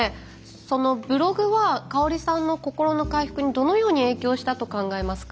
そのブログは香さんの心の回復にどのように影響したと考えますか？